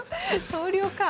投了かあ。